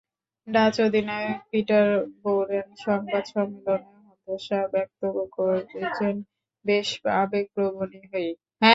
Dutch অধিনায়ক Peter Borren সংবাদ সম্মেলনে হতাশা ব্যক্ত করেছেন বেশ আবেগপ্রবণই হয়েই।